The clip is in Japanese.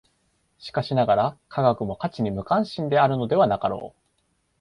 しかしながら、科学も価値に無関心であるのではなかろう。